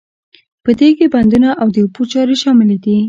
په دې کې بندونه او د اوبو چارې شاملې دي.